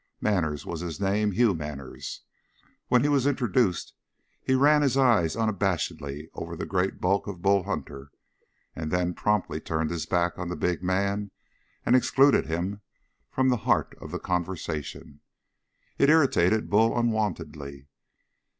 Manners was his name Hugh Manners. When he was introduced he ran his eyes unabashedly over the great bulk of Bull Hunter, and then promptly he turned his back on the big man and excluded him from the heart of the conversation. It irritated Bull unwontedly.